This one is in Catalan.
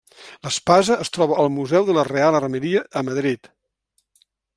L'espasa es troba al Museu de la Real Armeria, a Madrid.